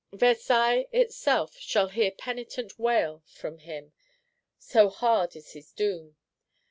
Versailles itself shall hear penitent wail from him, so hard is his doom.